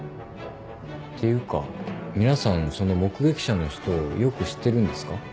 ていうか皆さんその目撃者の人をよく知ってるんですか？